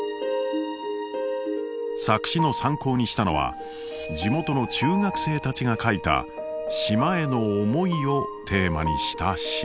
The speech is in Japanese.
作詞の参考にしたのは地元の中学生たちが書いた「島への思い」をテーマにした詩。